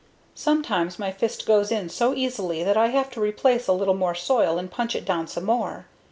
Sometimes my fist goes in so easily that I have to replace a little more soil and punch it down some more.